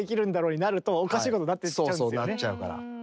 なっちゃうから。